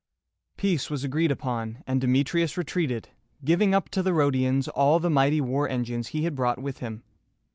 Peace was agreed upon, and Demetrius retreated, giving up to the Rho´di ans all the mighty war engines he had brought with him.